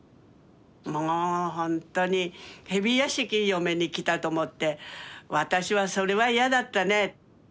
もうほんとにヘビ屋敷嫁に来たと思って私はそれは嫌だったね。